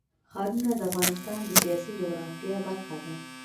ښارونه د افغانستان د سیاسي جغرافیه برخه ده.